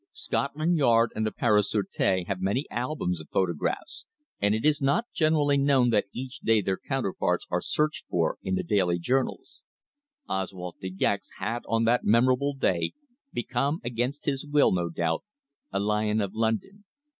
Scotland Yard and the Paris Sûreté have many albums of photographs, and it is not generally known that each day their counterparts are searched for in the daily journals. Oswald De Gex had on that memorable day become, against his will no doubt, a lion of London.